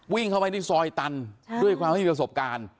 วิ่งเข้าไปที่ซอยตันด้วยความไม่มีประสบการณ์